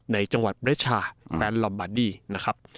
มันแต่เด็ก